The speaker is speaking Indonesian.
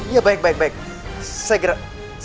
ya baik baik baik segera